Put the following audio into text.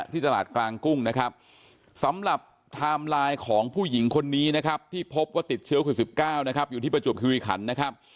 ที่ตลาดกลางกุ้งนะครับสำหรับไทม์ไลน์ของผู้หญิงคนนี้นะครับที่พบว่าติดเชื้อโควิด๑๙นะครับ